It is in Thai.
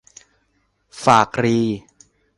ฝากรี